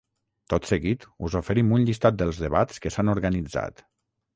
Tot seguit us oferim un llistat dels debats que s’han organitzat.